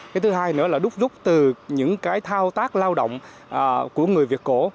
cái thứ hai nữa là đúc rút từ những cái thao tác lao động của người việt cổ